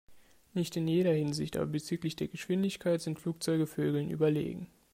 Nicht in jeder Hinsicht, aber bezüglich der Geschwindigkeit sind Flugzeuge Vögeln überlegen.